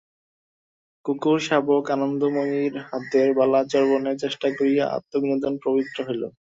কুকুর-শাবক আনন্দময়ীর হাতের বালা চর্বণের চেষ্টা করিয়া আত্মবিনোদনে প্রবৃত্ত হইল।